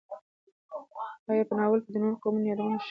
ایا په ناول کې د نورو قومونو یادونه شوې ده؟